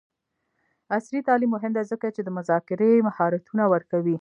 عصري تعلیم مهم دی ځکه چې د مذاکرې مهارتونه ورکوي.